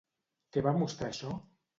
Què va mostrar això?